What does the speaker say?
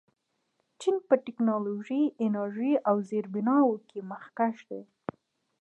چین په ټیکنالوژۍ، انرژۍ او زیربناوو کې مخکښ دی.